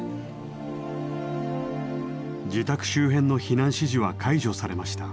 自宅周辺の避難指示は解除されました。